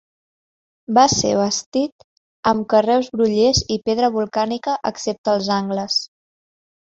Va ser bastit amb carreus grollers i pedra volcànica excepte els angles.